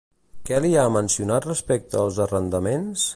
Què li ha mencionat respecte als arrendaments?